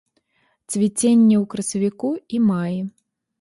Цвіценне ў красавіку і маі.